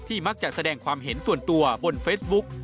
มักจะแสดงความเห็นส่วนตัวบนเฟซบุ๊ก